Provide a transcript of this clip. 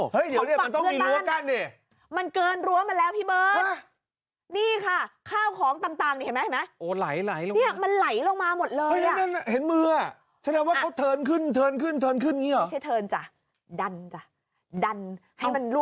เฮ้ยเดี๋ยวเดี๋ยวมันต้องมีรั้วกั้นเหรอ